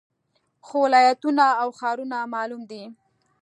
خو ولایتونه او ښارونه معلوم دي